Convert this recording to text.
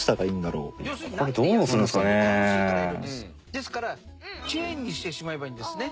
ですからチェーンにしてしまえばいいんですね。